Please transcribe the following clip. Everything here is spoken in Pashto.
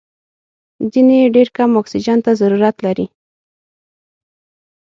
ځینې یې ډېر کم اکسیجن ته ضرورت لري.